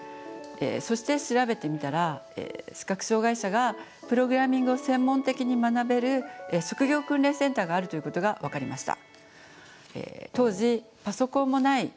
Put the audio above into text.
そして調べてみたら視覚障害者がプログラミングを専門的に学べる職業訓練センターがあるということが分かりました。